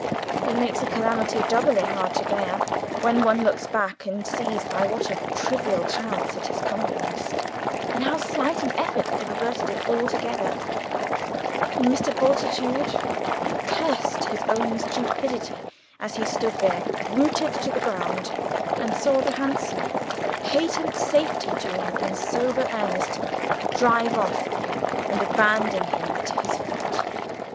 It makes a calamity doubly hard to bear when one looks back and sees by what a trivial chance it has come upon us, and how slight an effort would have averted it altogether; and Mr. Bultitude cursed his own stupidity as he stood there, rooted to the ground, and saw the hansom (a "patent safety" to him in sober earnest) drive off and abandon him to his fate.